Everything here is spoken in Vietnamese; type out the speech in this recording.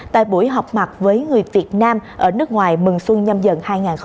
tại buổi họp mặt với người việt nam ở nước ngoài mừng xuân nhâm dần hai nghìn hai mươi bốn